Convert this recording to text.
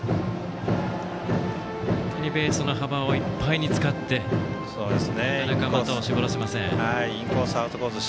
ベースの幅をいっぱいに使ってなかなか的を絞らせません。